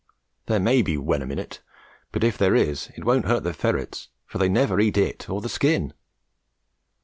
There may be "wenom" in it; but, if there is, it won't hurt the ferrets, for they never eat it or the skin.